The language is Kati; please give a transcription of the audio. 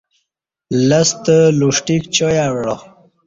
لستہ لوݜٹیک چائ اوعا